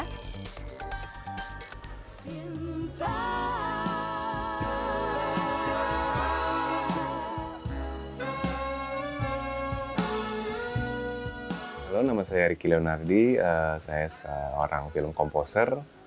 halo nama saya ricky leonardi saya seorang film komposer